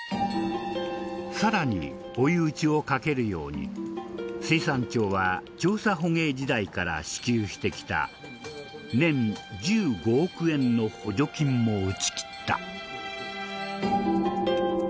さらに追い打ちをかけるように水産庁は調査捕鯨時代から支給してきた年１５億円の補助金も打ち切った。